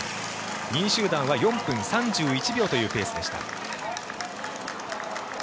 ２位集団は４分３１秒というペースでした。